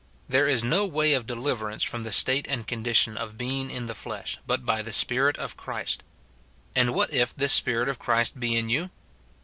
There is no way of deliverance from the state and condition of being in the flesh but by the Spirit of Christ. And what if this Spirit of Christ be in you